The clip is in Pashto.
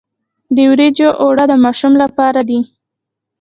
د وریجو اوړه د ماشوم لپاره دي.